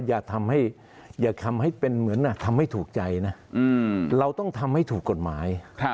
อย่าทำให้อย่าทำให้เป็นเหมือนทำให้ถูกใจนะเราต้องทำให้ถูกกฎหมาย